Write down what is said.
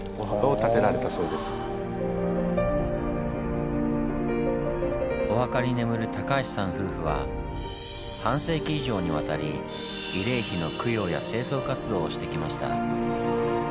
亡くなられたあともお墓に眠る橋さん夫婦は半世紀以上にわたり慰霊碑の供養や清掃活動をしてきました。